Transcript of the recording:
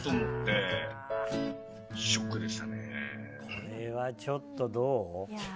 これはちょっと、どう？